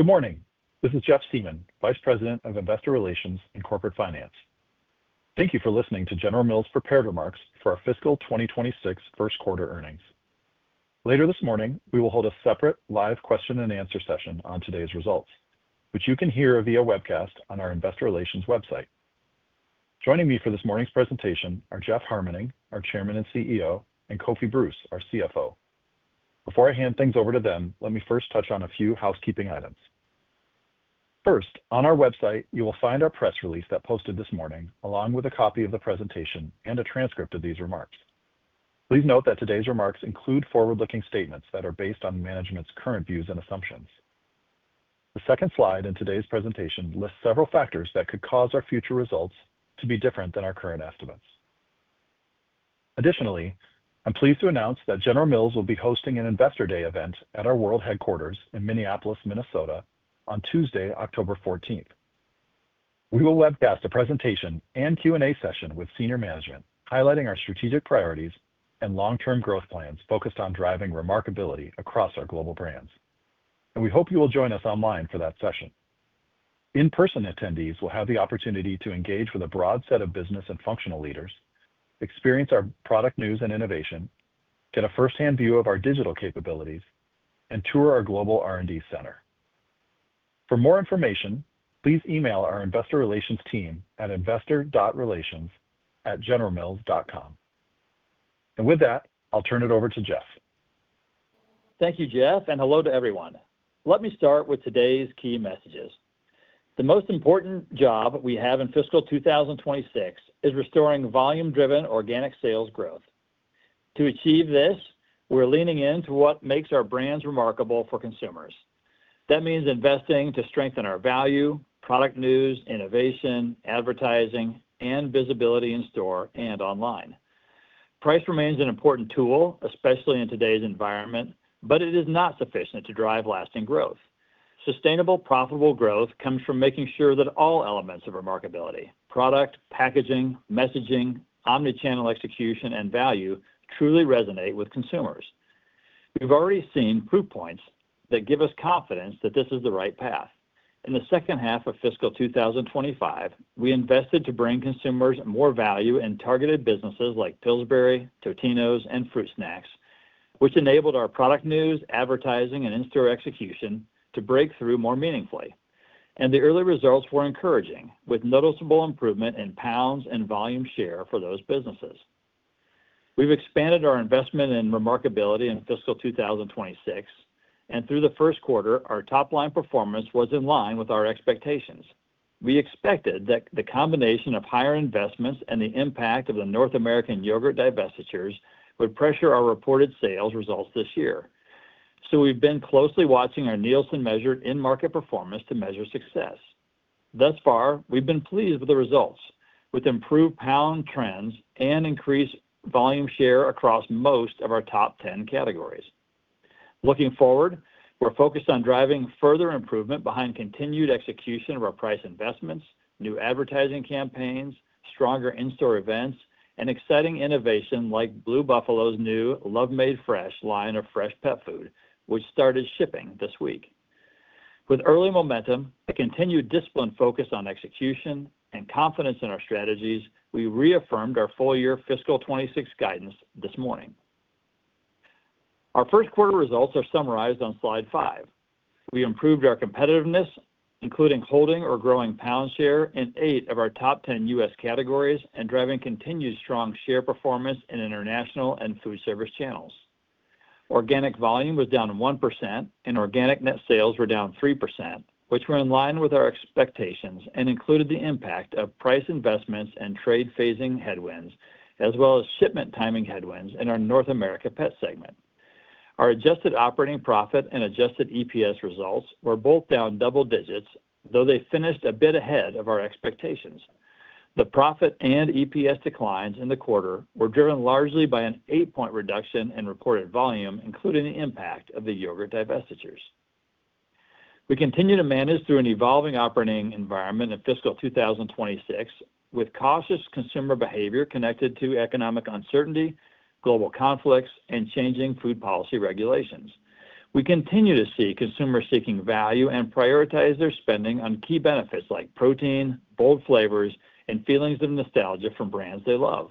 Good morning. This is Jeff Siemon, Vice President of Investor Relations and Corporate Finance. Thank you for listening to General Mills' prepared remarks for our fiscal 2026 first quarter earnings. Later this morning, we will hold a separate live question-and-answer session on today's results, which you can hear via webcast on our Investor Relations website. Joining me for this morning's presentation are Jeff Harmening, our Chairman and CEO, and Kofi Bruce, our CFO. Before I hand things over to them, let me first touch on a few housekeeping items. First, on our website, you will find our press release that posted this morning, along with a copy of the presentation and a transcript of these remarks. Please note that today's remarks include forward-looking statements that are based on management's current views and assumptions. The second slide in today's presentation lists several factors that could cause our future results to be different than our current estimates. Additionally, I'm pleased to announce that General Mills will be hosting an Investor Day event at our world headquarters in Minneapolis, Minnesota, on Tuesday, October 14. We will webcast a presentation and Q&A session with senior management, highlighting our strategic priorities and long-term growth plans focused on driving remarkability across our global brands, and we hope you will join us online for that session. In-person attendees will have the opportunity to engage with a broad set of business and functional leaders, experience our product news and innovation, get a firsthand view of our digital capabilities, and tour our global R&D center. For more information, please email our Investor Relations team at investor.relations@generalmills.com, and with that, I'll turn it over to Jeff. Thank you, Jeff, and hello to everyone. Let me start with today's key messages. The most important job we have in fiscal 2026 is restoring volume-driven organic sales growth. To achieve this, we're leaning into what makes our brands remarkable for consumers. That means investing to strengthen our value, product news, innovation, advertising, and visibility in store and online. Price remains an important tool, especially in today's environment, but it is not sufficient to drive lasting growth. Sustainable, profitable growth comes from making sure that all elements of remarkability (product, packaging, messaging, omnichannel execution, and value) truly resonate with consumers. We've already seen proof points that give us confidence that this is the right path. In the second half of fiscal 2025, we invested to bring consumers more value in targeted businesses like Pillsbury, Totino's, and Fruit Snacks, which enabled our product news, advertising, and in-store execution to break through more meaningfully. The early results were encouraging, with noticeable improvement in pounds and volume share for those businesses. We've expanded our investment in Remarkability in fiscal 2026, and through the first quarter, our top-line performance was in line with our expectations. We expected that the combination of higher investments and the impact of the North American yogurt divestitures would pressure our reported sales results this year. We've been closely watching our Nielsen-measured in-market performance to measure success. Thus far, we've been pleased with the results, with improved pound trends and increased volume share across most of our top 10 categories. Looking forward, we're focused on driving further improvement behind continued execution of our price investments, new advertising campaigns, stronger in-store events, and exciting innovation like Blue Buffalo's new Love Made Fresh line of fresh pet food, which started shipping this week. With early momentum, a continued discipline focus on execution, and confidence in our strategies, we reaffirmed our full-year fiscal 2026 guidance this morning. Our first quarter results are summarized on slide five. We improved our competitiveness, including holding or growing pound share in eight of our top 10 U.S. categories and driving continued strong share performance in international and food service channels. Organic volume was down 1%, and organic net sales were down 3%, which were in line with our expectations and included the impact of price investments and trade phasing headwinds, as well as shipment timing headwinds in our North America Pet segment. Our adjusted operating profit and adjusted EPS results were both down double digits, though they finished a bit ahead of our expectations. The profit and EPS declines in the quarter were driven largely by an eight-point reduction in reported volume, including the impact of the yogurt divestitures. We continue to manage through an evolving operating environment in fiscal 2026, with cautious consumer behavior connected to economic uncertainty, global conflicts, and changing food policy regulations. We continue to see consumers seeking value and prioritize their spending on key benefits like protein, bold flavors, and feelings of nostalgia from brands they love.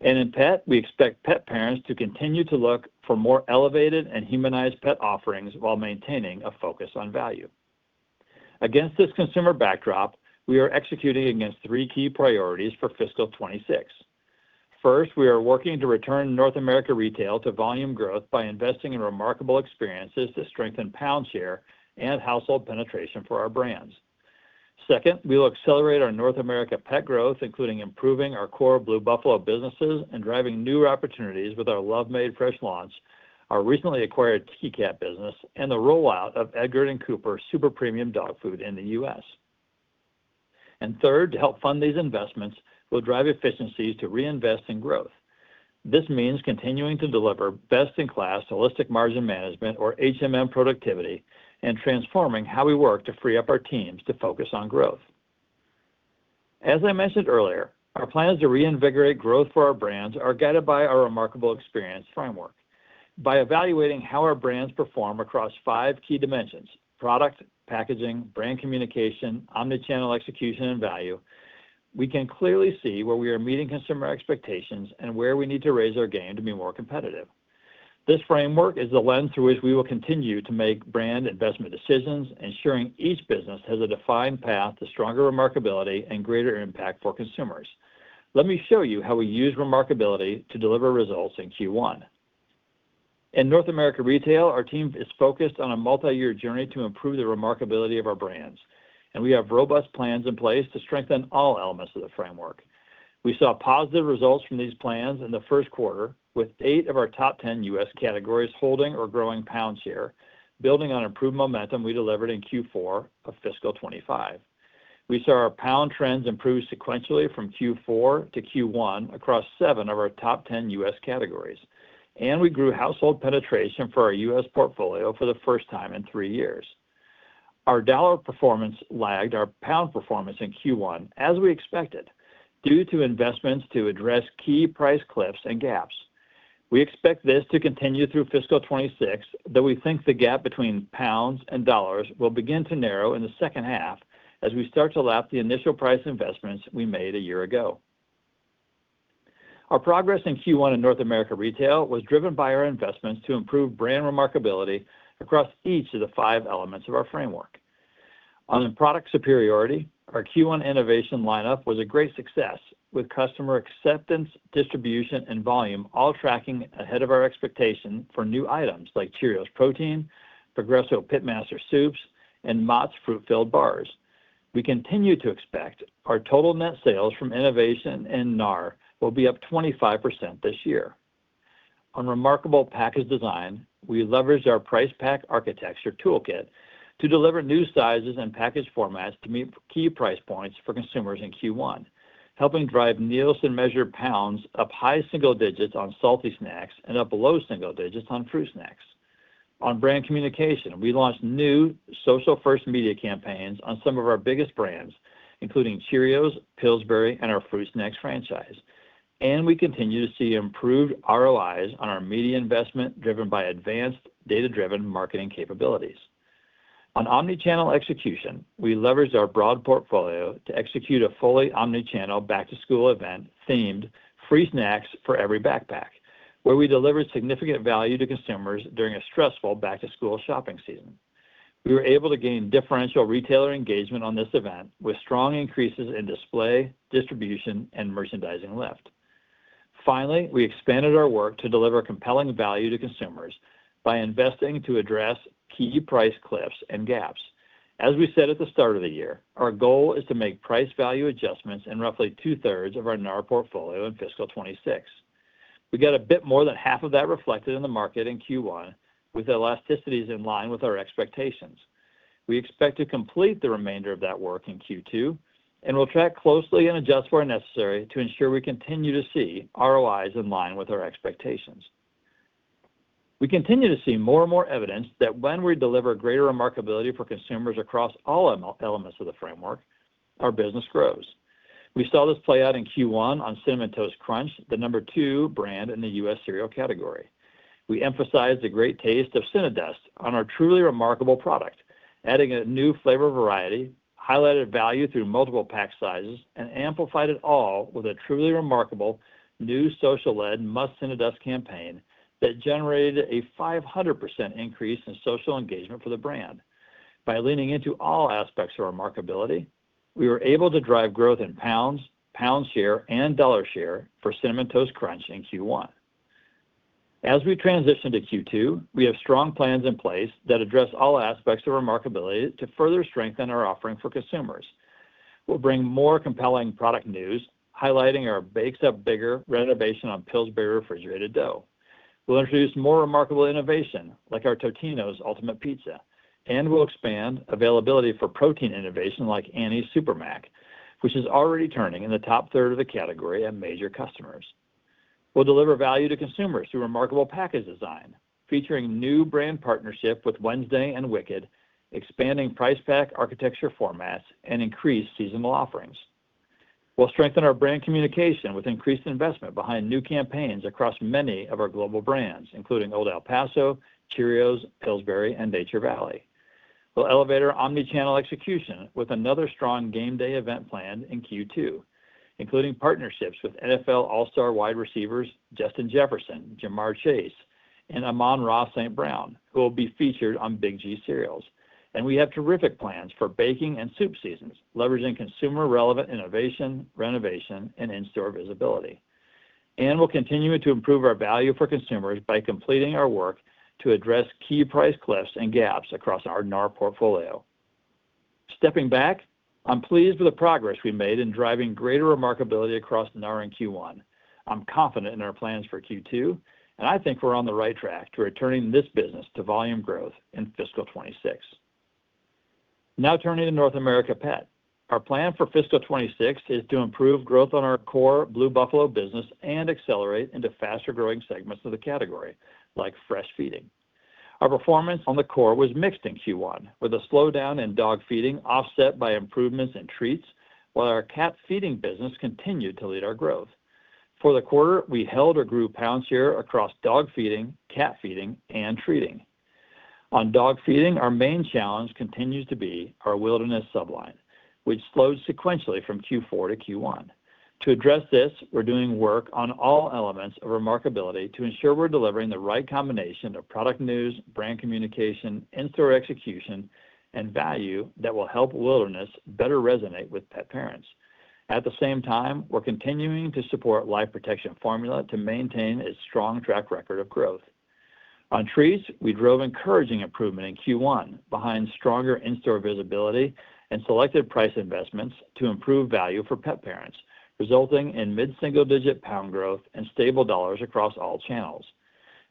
And in pet, we expect pet parents to continue to look for more elevated and humanized pet offerings while maintaining a focus on value. Against this consumer backdrop, we are executing against three key priorities for fiscal 2026. First, we are working to return North America Retail to volume growth by investing in remarkable experiences that strengthen pound share and household penetration for our brands. Second, we will accelerate our North America Pet growth, including improving our core Blue Buffalo businesses and driving new opportunities with our Love Made Fresh launch, our recently acquired Tiki Cat business, and the rollout of Edgard & Cooper Super Premium Dog Food in the U.S. And third, to help fund these investments, we'll drive efficiencies to reinvest in growth. This means continuing to deliver best-in-class Holistic Margin Management, or productivity and transforming how we work to free up our teams to focus on growth. As I mentioned earlier, our plans to reinvigorate growth for our brands are guided by our Remarkability framework. By evaluating how our brands perform across five key dimensions: product, packaging, brand communication, omnichannel execution, and value, we can clearly see where we are meeting consumer expectations and where we need to raise our game to be more competitive. This framework is the lens through which we will continue to make brand investment decisions, ensuring each business has a defined path to stronger remarkability and greater impact for consumers. Let me show you how we use remarkability to deliver results in Q1. In North America Retail, our team is focused on a multi-year journey to improve the remarkability of our brands, and we have robust plans in place to strengthen all elements of the framework. We saw positive results from these plans in the first quarter, with eight of our top 10 U.S. categories holding or growing pound share, building on improved momentum we delivered in Q4 of fiscal 2025. We saw our pound trends improve sequentially from Q4 to Q1 across seven of our top 10 U.S. categories, and we grew household penetration for our U.S. portfolio for the first time in three years. Our dollar performance lagged our pound performance in Q1, as we expected, due to investments to address key price cliffs and gaps. We expect this to continue through fiscal 2026, though we think the gap between pounds and dollars will begin to narrow in the second half as we start to lap the initial price investments we made a year ago. Our progress in Q1 in North America Retail was driven by our investments to improve brand remarkability across each of the five elements of our framework. On product superiority, our Q1 innovation lineup was a great success, with customer acceptance, distribution, and volume all tracking ahead of our expectation for new items like Cheerios Protein, Progresso Pitmaster soups, and Mott's fruit-filled bars. We continue to expect our total net sales from innovation and NAR will be up 25% this year. On remarkable package design, we leveraged our price pack architecture toolkit to deliver new sizes and package formats to meet key price points for consumers in Q1, helping drive Nielsen-measured pounds up high single digits on salty snacks and up low single digits on fruit snacks. On brand communication, we launched new social first media campaigns on some of our biggest brands, including Cheerios, Pillsbury, and our fruit snacks franchise. And we continue to see improved ROIs on our media investment driven by advanced data-driven marketing capabilities. On omnichannel execution, we leveraged our broad portfolio to execute a fully omnichannel back-to-school event themed "Free Snacks for Every Backpack," where we delivered significant value to consumers during a stressful back-to-school shopping season. We were able to gain differential retailer engagement on this event, with strong increases in display, distribution, and merchandising lift. Finally, we expanded our work to deliver compelling value to consumers by investing to address key price cliffs and gaps. As we said at the start of the year, our goal is to make price value adjustments in roughly two-thirds of our NAR portfolio in fiscal 2026. We got a bit more than half of that reflected in the market in Q1, with elasticities in line with our expectations. We expect to complete the remainder of that work in Q2, and we'll track closely and adjust where necessary to ensure we continue to see ROIs in line with our expectations. We continue to see more and more evidence that when we deliver greater remarkability for consumers across all elements of the framework, our business grows. We saw this play out in Q1 on Cinnamon Toast Crunch, the number two brand in the U.S. cereal category. We emphasized the great taste of Cinnadust on our truly remarkable product, adding a new flavor variety, highlighted value through multiple pack sizes, and amplified it all with a truly remarkable new social-led Must Cinnadust campaign that generated a 500% increase in social engagement for the brand. By leaning into all aspects of remarkability, we were able to drive growth in pounds, pound share, and dollar share for Cinnamon Toast Crunch in Q1. As we transition to Q2, we have strong plans in place that address all aspects of remarkability to further strengthen our offering for consumers. We'll bring more compelling product news, highlighting our Bakes Up Bigger renovation on Pillsbury refrigerated dough. We'll introduce more remarkable innovation, like our Totino's Ultimate Pizza, and we'll expand availability for protein innovation like Annie's Super Mac, which is already turning in the top third of the category and major customers. We'll deliver value to consumers through remarkable package design, featuring new brand partnership with Wednesday and Wicked, expanding Price Pack Architecture formats, and increased seasonal offerings. We'll strengthen our brand communication with increased investment behind new campaigns across many of our global brands, including Old El Paso, Cheerios, Pillsbury, and Nature Valley. We'll elevate our omnichannel execution with another strong game day event planned in Q2, including partnerships with NFL All-Star wide receivers Justin Jefferson, Ja'Marr Chase, and Amon-Ra St. Brown, who will be featured on Big G cereals. And we have terrific plans for baking and soup seasons, leveraging consumer-relevant innovation, renovation, and in-store visibility. And we'll continue to improve our value for consumers by completing our work to address key price cliffs and gaps across our NAR portfolio. Stepping back, I'm pleased with the progress we made in driving greater remarkability across NAR in Q1. I'm confident in our plans for Q2, and I think we're on the right track to returning this business to volume growth in fiscal 2026. Now turning to North America Pet, our plan for fiscal 2026 is to improve growth on our core Blue Buffalo business and accelerate into faster-growing segments of the category, like fresh feeding. Our performance on the core was mixed in Q1, with a slowdown in dog feeding offset by improvements in treats, while our cat feeding business continued to lead our growth. For the quarter, we held or grew pound share across dog feeding, cat feeding, and treating. On dog feeding, our main challenge continues to be our Wilderness subline, which slowed sequentially from Q4 to Q1. To address this, we're doing work on all elements of remarkability to ensure we're delivering the right combination of product news, brand communication, in-store execution, and value that will help Wilderness better resonate with pet parents. At the same time, we're continuing to support Life Protection Formula to maintain a strong track record of growth. On treats, we drove encouraging improvement in Q1 behind stronger in-store visibility and selected price investments to improve value for pet parents, resulting in mid-single digit pound growth and stable dollars across all channels.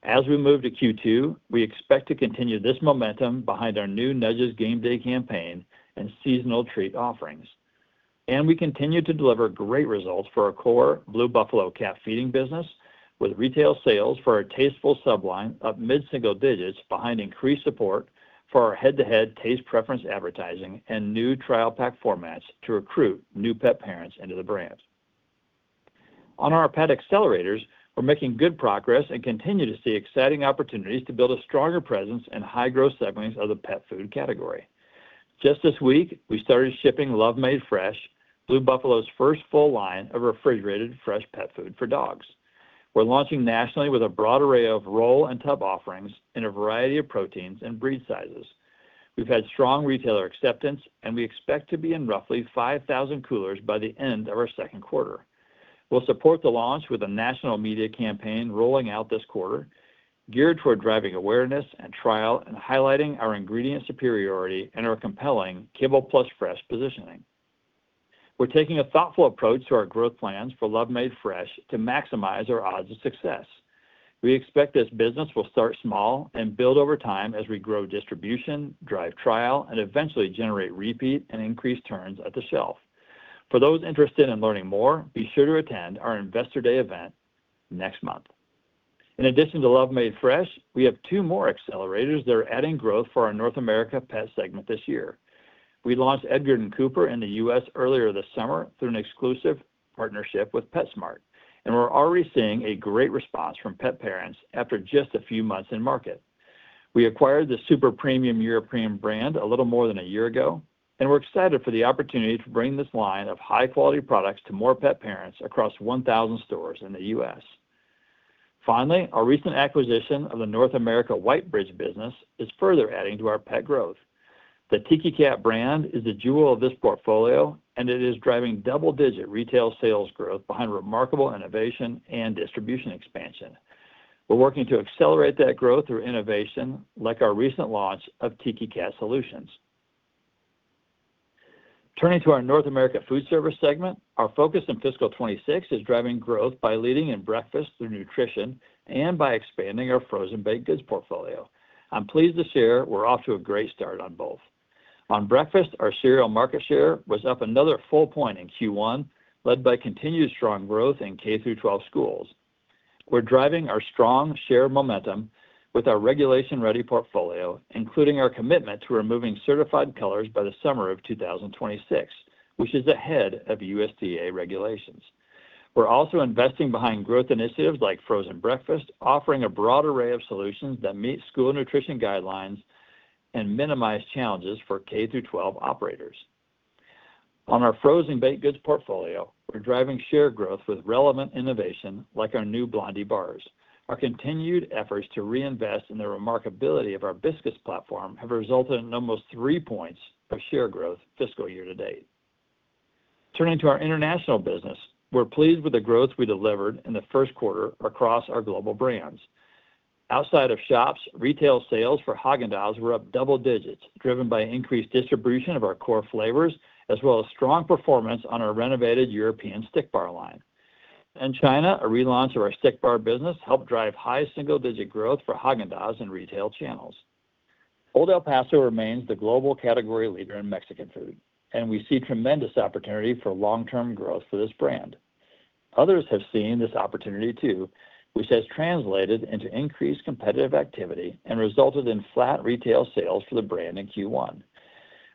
As we move to Q2, we expect to continue this momentum behind our new Nudges game day campaign and seasonal treat offerings. We continue to deliver great results for our core Blue Buffalo cat feeding business, with retail sales for our Tastefuls subline up mid-single digits behind increased support for our head-to-head taste preference advertising and new trial pack formats to recruit new pet parents into the brand. On our pet accelerators, we're making good progress and continue to see exciting opportunities to build a stronger presence in high-growth segments of the pet food category. Just this week, we started shipping Love Made Fresh, Blue Buffalo's first full line of refrigerated fresh pet food for dogs. We're launching nationally with a broad array of roll and tub offerings in a variety of proteins and breed sizes. We've had strong retailer acceptance, and we expect to be in roughly 5,000 coolers by the end of our second quarter. We'll support the launch with a national media campaign rolling out this quarter, geared toward driving awareness and trial and highlighting our ingredient superiority and our compelling Kibble Plus Fresh positioning. We're taking a thoughtful approach to our growth plans for Love Made Fresh to maximize our odds of success. We expect this business will start small and build over time as we grow distribution, drive trial, and eventually generate repeat and increased turns at the shelf. For those interested in learning more, be sure to attend our Investor Day event next month. In addition to Love Made Fresh, we have two more accelerators that are adding growth for our North America Pet segment this year. We launched Edgard & Cooper in the U.S. earlier this summer through an exclusive partnership with PetSmart, and we're already seeing a great response from pet parents after just a few months in market. We acquired the Super Premium European brand a little more than a year ago, and we're excited for the opportunity to bring this line of high-quality products to more pet parents across 1,000 stores in the U.S. Finally, our recent acquisition of the North America Whitebridge business is further adding to our pet growth. The Tiki Cat brand is the jewel of this portfolio, and it is driving double-digit retail sales growth behind remarkable innovation and distribution expansion. We're working to accelerate that growth through innovation, like our recent launch of Tiki Cat Solutions. Turning to our North America Foodservice segment, our focus in fiscal 2026 is driving growth by leading in breakfast through nutrition and by expanding our frozen baked goods portfolio. I'm pleased to share we're off to a great start on both. On breakfast, our cereal market share was up another full point in Q1, led by continued strong growth in K through 12 schools. We're driving our strong share momentum with our regulation-ready portfolio, including our commitment to removing certified colors by the summer of 2026, which is ahead of USDA regulations. We're also investing behind growth initiatives like frozen breakfast, offering a broad array of solutions that meet school nutrition guidelines and minimize challenges for K through 12 operators. On our frozen baked goods portfolio, we're driving share growth with relevant innovation, like our new blondie bars. Our continued efforts to reinvest in the remarkability of our Biscuits platform have resulted in almost three points of share growth fiscal year to date. Turning to our international business, we're pleased with the growth we delivered in the first quarter across our global brands. Outside of shops, retail sales for Häagen-Dazs were up double digits, driven by increased distribution of our core flavors, as well as strong performance on our renovated European stick bar line. In China, a relaunch of our stick bar business helped drive high single-digit growth for Häagen-Dazs in retail channels. Old El Paso remains the global category leader in Mexican food, and we see tremendous opportunity for long-term growth for this brand. Others have seen this opportunity too, which has translated into increased competitive activity and resulted in flat retail sales for the brand in Q1.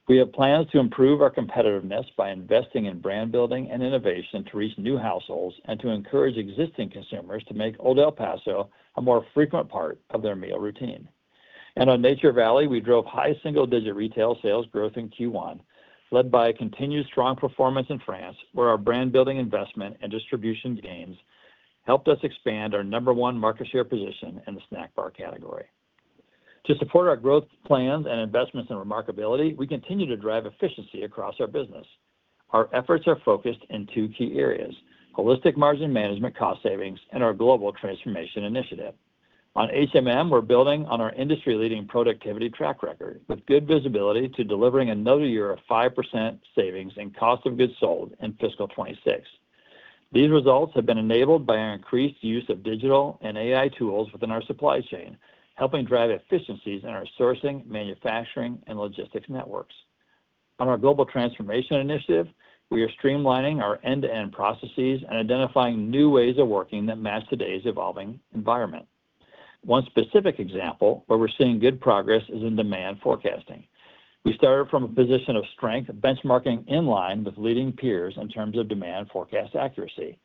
We have plans to improve our competitiveness by investing in brand building and innovation to reach new households and to encourage existing consumers to make Old El Paso a more frequent part of their meal routine. On Nature Valley, we drove high single-digit retail sales growth in Q1, led by continued strong performance in France, where our brand building investment and distribution gains helped us expand our number one market share position in the snack bar category. To support our growth plans and investments in remarkability, we continue to drive efficiency across our business. Our efforts are focused in two key areas: holistic margin management cost savings and our global transformation initiative. On HMM, we're building on our industry-leading productivity track record, with good visibility to delivering another year of 5% savings in cost of goods sold in fiscal 2026. These results have been enabled by our increased use of digital and AI tools within our supply chain, helping drive efficiencies in our sourcing, manufacturing, and logistics networks. On our global transformation initiative, we are streamlining our end-to-end processes and identifying new ways of working that match today's evolving environment. One specific example where we're seeing good progress is in demand forecasting. We started from a position of strength, benchmarking in line with leading peers in terms of demand forecast accuracy.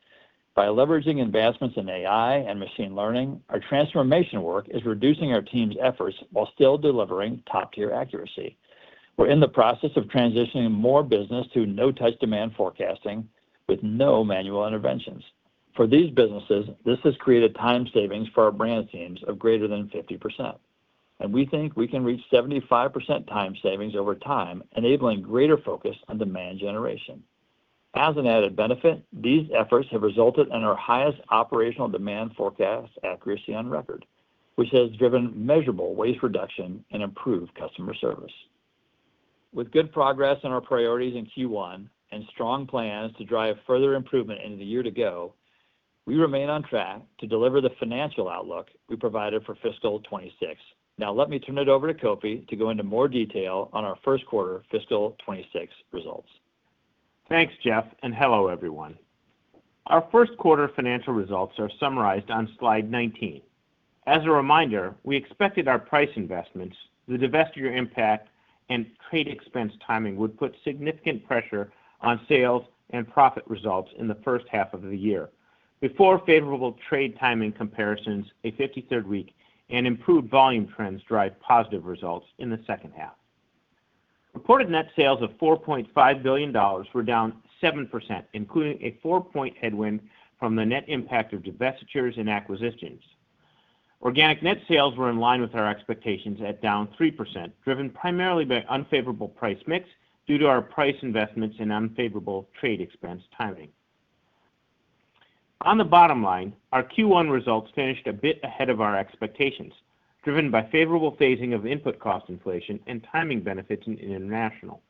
By leveraging advancements in AI and machine learning, our transformation work is reducing our team's efforts while still delivering top-tier accuracy. We're in the process of transitioning more business to no-touch demand forecasting with no manual interventions. For these businesses, this has created time savings for our brand teams of greater than 50%. And we think we can reach 75% time savings over time, enabling greater focus on demand generation. As an added benefit, these efforts have resulted in our highest operational demand forecast accuracy on record, which has driven measurable waste reduction and improved customer service. With good progress on our priorities in Q1 and strong plans to drive further improvement into the year to go, we remain on track to deliver the financial outlook we provided for fiscal 26. Now let me turn it over to Kofi to go into more detail on our first quarter fiscal 26 results. Thanks, Jeff, and hello, everyone. Our first quarter financial results are summarized on slide 19. As a reminder, we expected our price investments, the divestiture impact, and trade expense timing would put significant pressure on sales and profit results in the first half of the year. Before favorable trade timing comparisons, a 53rd week and improved volume trends drive positive results in the second half. Reported net sales of $4.5 billion were down 7%, including a four-point headwind from the net impact of divestitures and acquisitions. Organic net sales were in line with our expectations at down 3%, driven primarily by unfavorable price mix due to our price investments and unfavorable trade expense timing. On the bottom line, our Q1 results finished a bit ahead of our expectations, driven by favorable phasing of input cost inflation and timing benefits in international,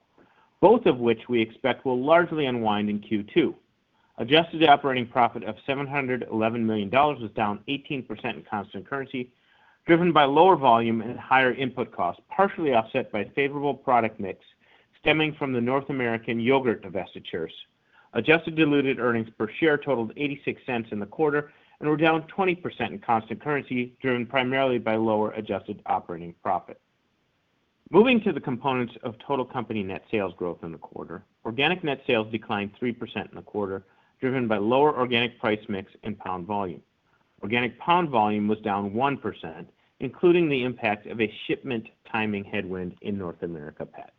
both of which we expect will largely unwind in Q2. Adjusted operating profit of $711 million was down 18% in constant currency, driven by lower volume and higher input costs, partially offset by favorable product mix stemming from the North American yogurt divestitures. Adjusted diluted earnings per share totaled $0.86 in the quarter and were down 20% in constant currency, driven primarily by lower adjusted operating profit. Moving to the components of total company net sales growth in the quarter, organic net sales declined 3% in the quarter, driven by lower organic price mix and pound volume. Organic pound volume was down 1%, including the impact of a shipment timing headwind in North America Pet.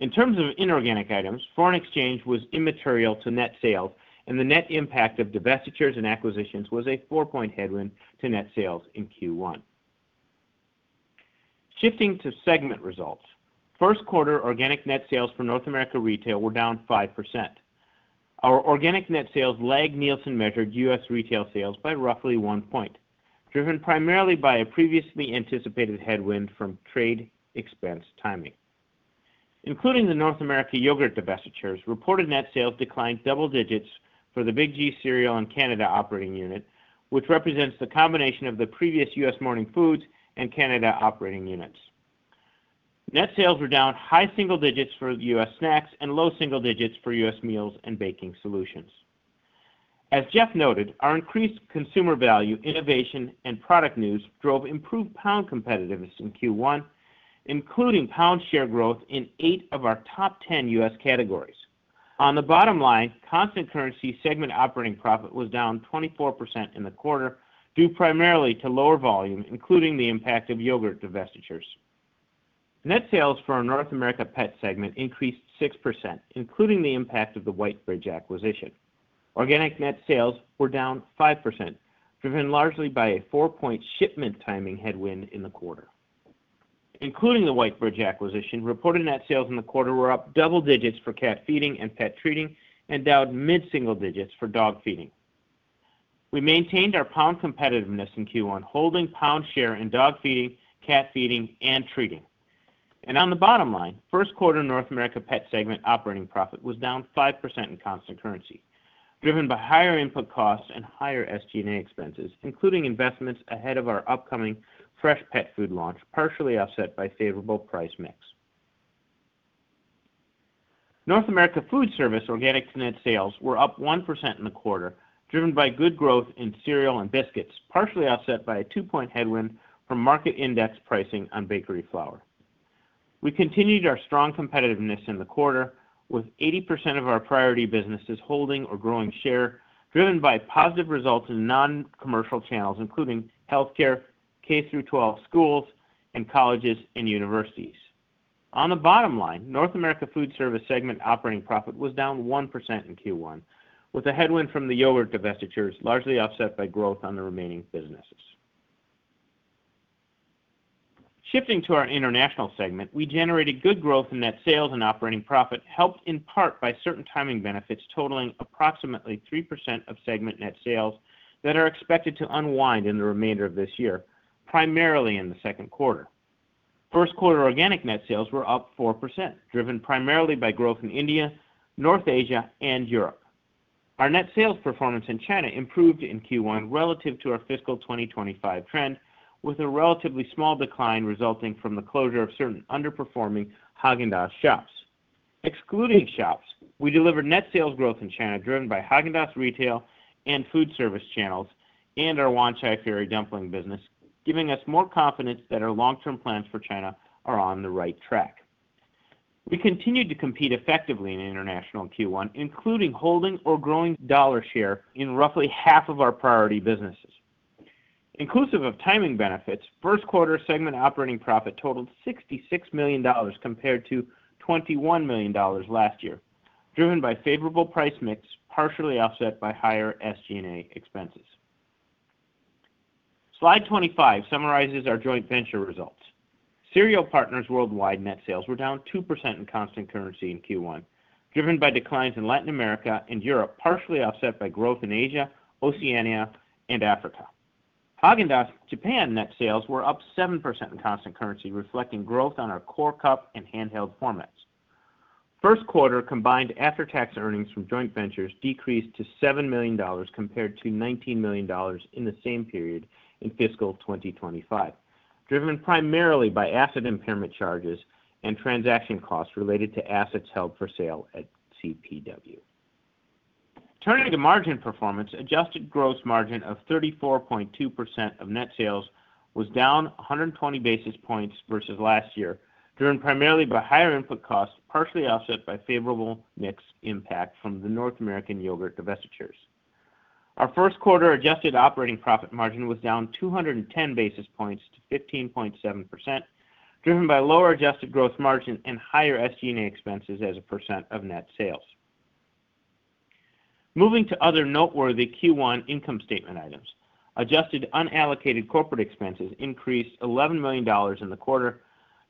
In terms of inorganic items, foreign exchange was immaterial to net sales, and the net impact of divestitures and acquisitions was a four-point headwind to net sales in Q1. Shifting to segment results, first quarter organic net sales for North America Retail were down 5%. Our organic net sales lagged Nielsen-measured U.S. retail sales by roughly one point, driven primarily by a previously anticipated headwind from trade expense timing. Including the North America yogurt divestitures, reported net sales declined double digits for the Big G cereal and Canada operating unit, which represents the combination of the previous U.S. Morning Foods and Canada operating units. Net sales were down high single digits for the U.S. snacks and low single digits for U.S. meals and baking solutions. As Jeff noted, our increased consumer value, innovation, and product news drove improved pound competitiveness in Q1, including pound share growth in eight of our top 10 U.S. categories. On the bottom line, constant currency segment operating profit was down 24% in the quarter, due primarily to lower volume, including the impact of yogurt divestitures. Net sales for our North America Pet segment increased 6%, including the impact of the Whitebridge acquisition. Organic net sales were down 5%, driven largely by a four-point shipment timing headwind in the quarter. Including the Whitebridge acquisition, reported net sales in the quarter were up double digits for cat feeding and pet treating, and down mid-single digits for dog feeding. We maintained our pound competitiveness in Q1, holding pound share in dog feeding, cat feeding, and treating, and on the bottom line, first quarter North America Pet segment operating profit was down 5% in constant currency, driven by higher input costs and higher SG&A expenses, including investments ahead of our upcoming fresh pet food launch, partially offset by favorable price mix. North America Foodservice organic net sales were up 1% in the quarter, driven by good growth in cereal and biscuits, partially offset by a two-point headwind from market index pricing on bakery flour. We continued our strong competitiveness in the quarter, with 80% of our priority businesses holding or growing share, driven by positive results in non-commercial channels, including healthcare, K through 12 schools, and colleges and universities. On the bottom line, North America Foodservice segment operating profit was down 1% in Q1, with a headwind from the yogurt divestitures, largely offset by growth on the remaining businesses. Shifting to our international segment, we generated good growth in net sales and operating profit, helped in part by certain timing benefits totaling approximately 3% of segment net sales that are expected to unwind in the remainder of this year, primarily in the second quarter. First quarter organic net sales were up 4%, driven primarily by growth in India, North Asia, and Europe. Our net sales performance in China improved in Q1 relative to our fiscal 2025 trend, with a relatively small decline resulting from the closure of certain underperforming Häagen-Dazs shops. Excluding shops, we delivered net sales growth in China, driven by Häagen-Dazs retail and food service channels and our Wan Chai Ferry dumpling business, giving us more confidence that our long-term plans for China are on the right track. We continued to compete effectively in international Q1, including holding or growing dollar share in roughly half of our priority businesses. Inclusive of timing benefits, first quarter segment operating profit totaled $66 million compared to $21 million last year, driven by favorable price mix, partially offset by higher SG&A expenses. Slide 25 summarizes our joint venture results. Cereal Partners Worldwide net sales were down 2% in constant currency in Q1, driven by declines in Latin America and Europe, partially offset by growth in Asia, Oceania, and Africa. Häagen-Dazs Japan net sales were up 7% in constant currency, reflecting growth on our core cup and handheld formats. First quarter combined after-tax earnings from joint ventures decreased to $7 million compared to $19 million in the same period in fiscal 2025, driven primarily by asset impairment charges and transaction costs related to assets held for sale at CPW. Turning to margin performance, adjusted gross margin of 34.2% of net sales was down 120 basis points versus last year, driven primarily by higher input costs, partially offset by favorable mix impact from the North American yogurt divestitures. Our first quarter adjusted operating profit margin was down 210 basis points to 15.7%, driven by lower adjusted gross margin and higher SG&A expenses as a percent of net sales. Moving to other noteworthy Q1 income statement items, adjusted unallocated corporate expenses increased $11 million in the quarter,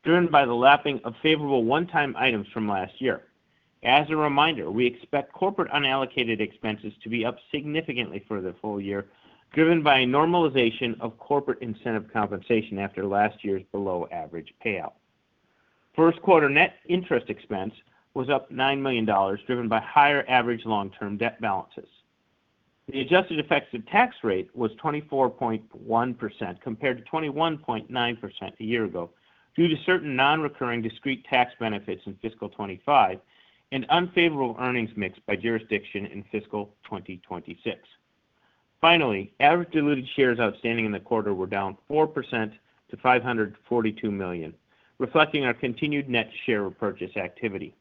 driven by the lapping of favorable one-time items from last year. As a reminder, we expect corporate unallocated expenses to be up significantly for the full year, driven by a normalization of corporate incentive compensation after last year's below-average payout. First quarter net interest expense was up $9 million, driven by higher average long-term debt balances. The adjusted effective tax rate was 24.1% compared to 21.9% a year ago, due to certain non-recurring discrete tax benefits in fiscal 2025 and unfavorable earnings mix by jurisdiction in fiscal 2026. Finally, average diluted shares outstanding in the quarter were down 4% to 542 million, reflecting our continued net share repurchase activity.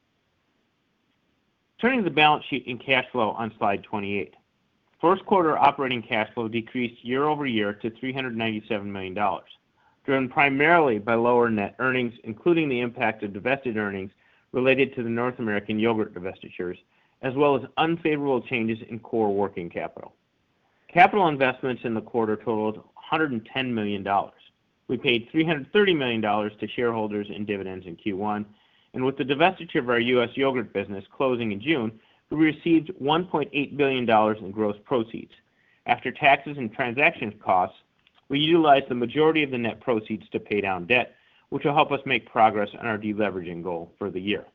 Turning to the balance sheet and cash flow on slide 28, first quarter operating cash flow decreased year over year to $397 million, driven primarily by lower net earnings, including the impact of divested earnings related to the North American yogurt divestitures, as well as unfavorable changes in core working capital. Capital investments in the quarter totaled $110 million. We paid $330 million to shareholders in dividends in Q1. And with the divestiture of our U.S. yogurt business closing in June, we received $1.8 billion in gross proceeds. After taxes and transaction costs, we utilized the majority of the net proceeds to pay down debt, which will help us make progress on our deleveraging goal for the year.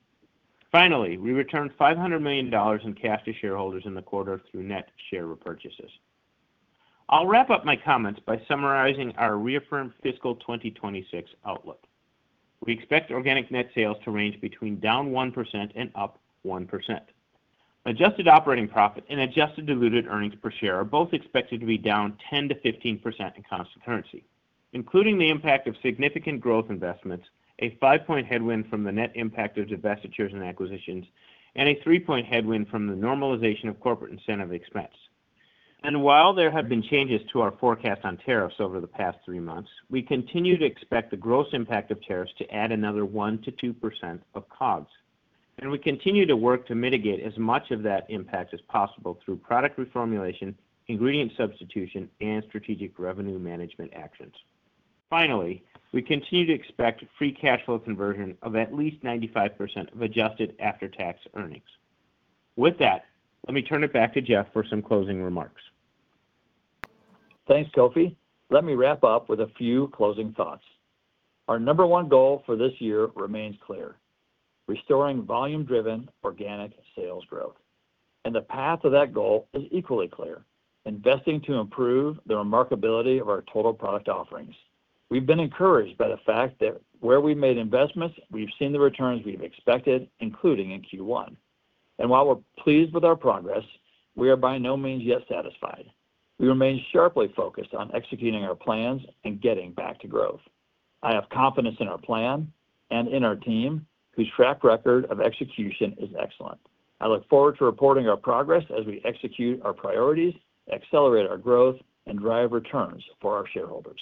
Finally, we returned $500 million in cash to shareholders in the quarter through net share repurchases. I'll wrap up my comments by summarizing our reaffirmed fiscal 2026 outlook. We expect organic net sales to range between down 1% and up 1%. Adjusted Operating Profit and Adjusted Diluted Earnings Per Share are both expected to be down 10%-15% in constant currency, including the impact of significant growth investments, a five-point headwind from the net impact of divestitures and acquisitions, and a three-point headwind from the normalization of corporate incentive expense, and while there have been changes to our forecast on tariffs over the past three months, we continue to expect the gross impact of tariffs to add another 1%-2% of COGS, and we continue to work to mitigate as much of that impact as possible through product reformulation, ingredient substitution, and strategic revenue management actions. Finally, we continue to expect free cash flow conversion of at least 95% of adjusted after-tax earnings. With that, let me turn it back to Jeff for some closing remarks. Thanks, Kofi. Let me wrap up with a few closing thoughts. Our number one goal for this year remains clear: restoring volume-driven organic sales growth. And the path to that goal is equally clear: investing to improve the remarkability of our total product offerings. We've been encouraged by the fact that where we've made investments, we've seen the returns we've expected, including in Q1. And while we're pleased with our progress, we are by no means yet satisfied. We remain sharply focused on executing our plans and getting back to growth. I have confidence in our plan and in our team, whose track record of execution is excellent. I look forward to reporting our progress as we execute our priorities, accelerate our growth, and drive returns for our shareholders.